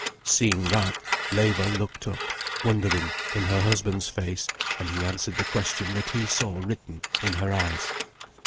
Seeing that, Leva looked up wondering in her husband's face, and he answered the question that he saw written in her eyes.